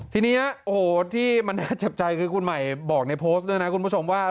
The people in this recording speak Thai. ทีนี้ที่มันแจ็บใจคือคุณหมายบอกในโพสต์ด้วยนะคุณผู้ชมว่า